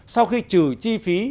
sau khi trừ chi phí